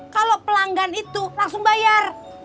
kalau pelanggan itu langsung bayar